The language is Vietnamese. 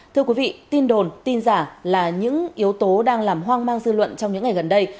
thưa quý vị tin đồn tin giả là những yếu tố đang làm hoang mang dư luận trong những ngày gần đây